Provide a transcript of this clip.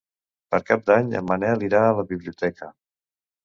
Per Cap d'Any en Manel irà a la biblioteca.